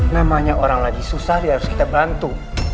namanya orang lagi susah ya harus kita bantu